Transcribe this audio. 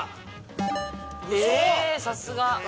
さすが！